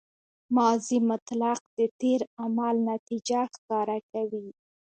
ماضي مطلق د تېر عمل نتیجه ښکاره کوي.